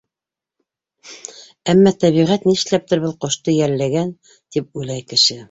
Әммә тәбиғәт нишләптер был ҡошто йәлләгән, тип уйлай кеше.